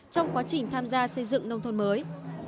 trong quá trình tham gia xây dựng nông thôn mới